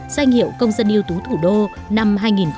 danh hiệu công dân yếu tố thủ đô năm hai nghìn một mươi bảy